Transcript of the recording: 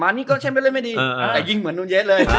มานี่ก็แช่งเป็นเล่นไม่ดีแต่ยิ่งเหมือนนูเนี๊ยสเลย